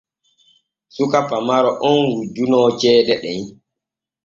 Suka pamaro on wujjunoo ceede ɗen.